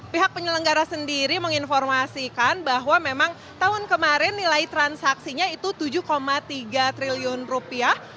pihak penyelenggara sendiri menginformasikan bahwa memang tahun kemarin nilai transaksinya itu tujuh tiga triliun rupiah